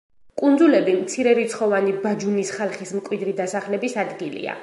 კუნძულები მცირერიცხოვანი ბაჯუნის ხალხის მკვიდრი დასახლების ადგილია.